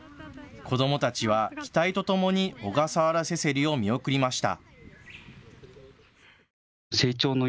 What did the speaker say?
子どもたちは期待とともにオガサワラセセリを見送りました。